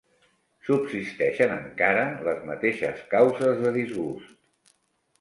Subsisteixen encara les mateixes causes de disgust.